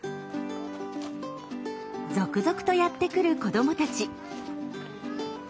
続々とやって来る子どもたち。